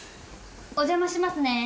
お邪魔しますね。